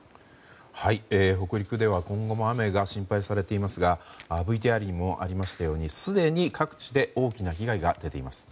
北陸では今後も雨が心配されていますがＶＴＲにもありましたようにすでに各地で大きな被害が出ています。